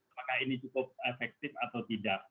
apakah ini cukup efektif atau tidak